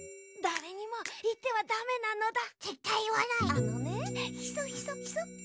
あのねヒソヒソヒソ。